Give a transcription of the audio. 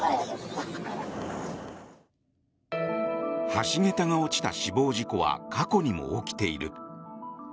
橋桁が落ちた死亡事故は過去にも起きている。